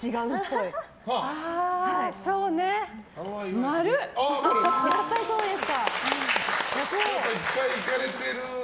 いっぱい行かれてる？